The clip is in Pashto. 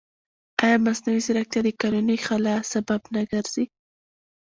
ایا مصنوعي ځیرکتیا د قانوني خلا سبب نه ګرځي؟